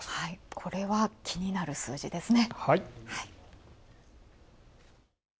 これは、気になる数字ですね。